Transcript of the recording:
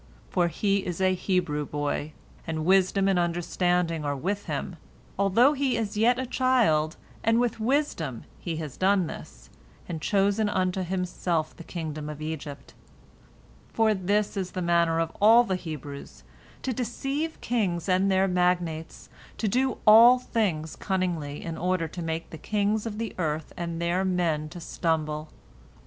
For he is a Hebrew boy, and wisdom and understanding are with him, although he is yet a child, and with wisdom has he done this, and chosen unto himself the kingdom of Egypt. For this is the manner of all the Hebrews, to deceive kings and their magnates, to do all things cunningly in order to make the kings of the earth and their men to stumble.